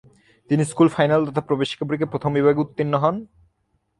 তিনি school final তথা প্রবেশিকা পরীক্ষায় প্রথম বিভাগে উত্তীর্ণ হন।